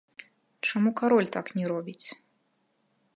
Чаму кароль так не робіць?